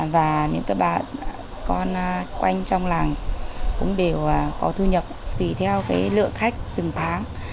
và những bà con quanh trong làng cũng đều có thu nhập tùy theo lượng khách từng tháng